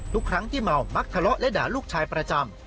ทุกครั้งที่เมามักทะเลาะและด่าลูกชายประจำ